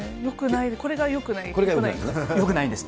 これがよくない。